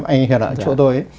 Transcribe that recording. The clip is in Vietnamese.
anh ở chỗ tôi